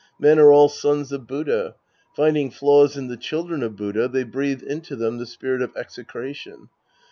Men are all sons of Buddha. Finding flaws in the children of Buddha, they breathe into them the spirit of execration.